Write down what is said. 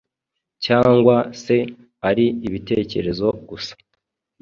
cyangwa se ari ibitecyerezo gusa